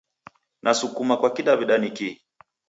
Na Sukuma kwa kidaw'ida ni kihi?